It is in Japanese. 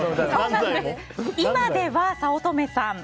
今では早乙女さん